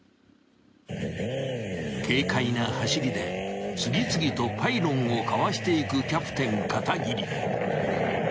［軽快な走りで次々とパイロンをかわしていくキャプテン片桐］